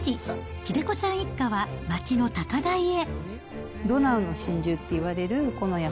英子さん一家は、街の高台へ。